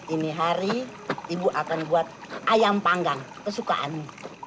ini hari ibu akan buat ayam panggang kesukaanmu